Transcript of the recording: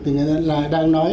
thì người dân là đang nói